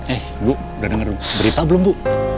eh bu udah denger berita belum bu